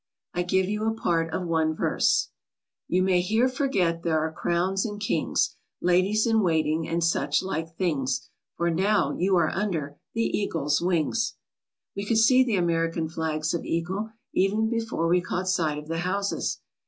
I give you a part of one verse: You may here forget there are crowns and kings, Ladies in waiting and such like things; For now you are under the Eagle's wings. We could see the American flags of Eagle even before we caught sight of the houses.